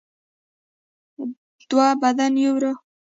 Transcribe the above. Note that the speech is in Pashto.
دوه بدن یو روح.